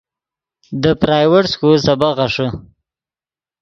دے پرائیویٹ سکول سبق غیݰے